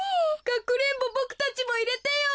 かくれんぼボクたちもいれてよ。